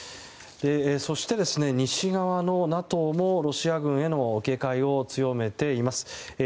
そして、西側のＮＡＴＯもロシア軍への警戒を強めています。